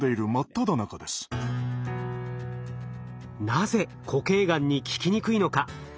なぜ固形がんに効きにくいのか。